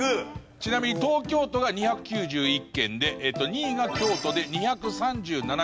ちなみに東京都が２９１件で２位が京都で２３７件。